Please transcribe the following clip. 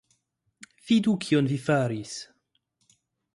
Vidu kion vi faris!